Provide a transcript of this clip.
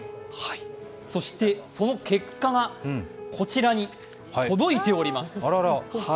そしてその結果が、こちらに届いております。